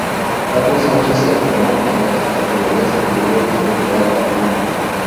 Carlos Sánchez se formó en las categorías inferiores del Real Madrid.